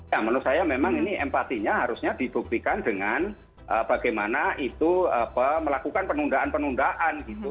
ya menurut saya memang ini empatinya harusnya dibuktikan dengan bagaimana itu melakukan penundaan penundaan gitu